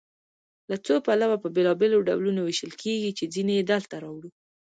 له څو پلوه په بېلابېلو ډولونو ویشل کیږي چې ځینې یې دلته راوړو.